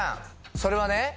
それはね